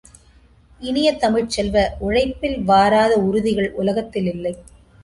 இனிய தமிழ்ச் செல்வ, உழைப்பில் வாராத உறுதிகள் உலகத்தில் இல்லை!